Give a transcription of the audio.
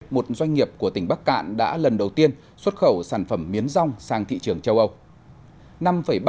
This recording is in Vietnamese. một doanh nghiệp của tỉnh bắc cạn đã lần đầu tiên xuất khẩu sản phẩm miến rong sang thị trường châu âu